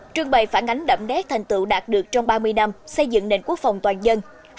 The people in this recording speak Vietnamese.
trương bày phản ánh đậm đét thành tựu đạt được trong ba mươi năm xây dựng nền quốc phòng toàn dân